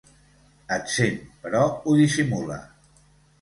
Et sent, però ho dissimula.